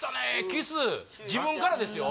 キス自分からですよ